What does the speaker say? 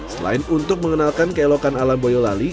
selain untuk mengenalkan keelokan alam boyolali